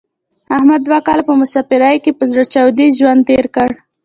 احمد دوه کاله په مسافرۍ کې په زړه چاودې ژوند تېر کړ.